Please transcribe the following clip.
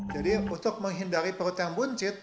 jadi untuk menghindari perut yang buncit